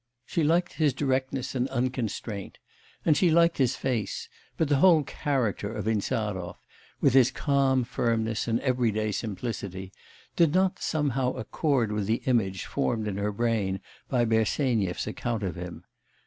She liked his directness and unconstraint, and she liked his face; but the whole character of Insarov with his calm firmness and everyday simplicity did not somehow accord with the image formed in her brain by Bersenyev's account of him.